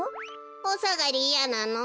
おさがりいやなの？